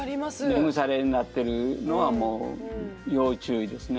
根腐れになってるのはもう要注意ですね。